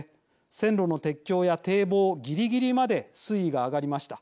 線路の鉄橋や堤防ぎりぎりまで水位が上がりました。